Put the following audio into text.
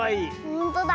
ほんとだ。